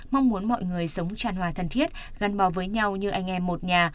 mong muốn mọi người sống tràn hòa thân thiết gắn bò với nhau như anh em một nhà